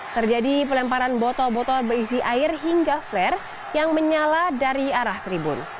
terjadi pelemparan botol botol berisi air hingga flare yang menyala dari arah tribun